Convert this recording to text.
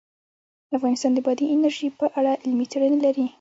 افغانستان د بادي انرژي په اړه علمي څېړنې لري.